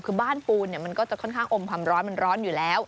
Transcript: คือบ้านปูนมันก็จะค่อนข้างอมความร้อนมันร้อนอยู่แล้ว